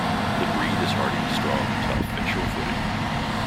The breed is hardy, strong, tough, and sure-footed.